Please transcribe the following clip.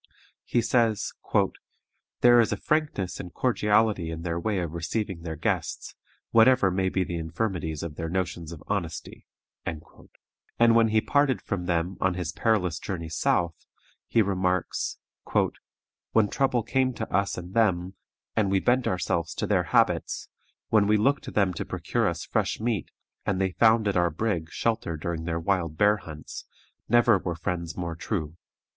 He says, "There is a frankness and cordiality in their way of receiving their guests, whatever may be the infirmities of their notions of honesty;" and when he parted from them on his perilous journey south, he remarks, "When trouble came to us and them, and we bent ourselves to their habits; when we looked to them to procure us fresh meat, and they found at our brig shelter during their wild bear hunts, never were friends more true.